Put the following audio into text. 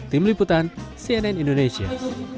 tim liputan cnn indonesia